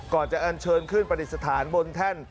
ก่อนจะอันเชิญขึ้นปฏิสถานบนแท่น